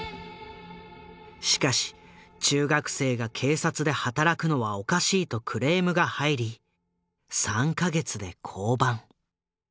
しかし「中学生が警察で働くのはおかしい」とクレームが入り３か月で降板。